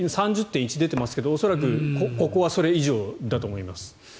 ３０．１度出ていますが恐らくここはそれ以上だと思います。